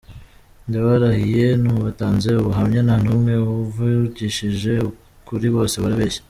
Ndabarahiye mubatanze ubuhamya nta n’umwe wavugishije ukuri bose barabeshye.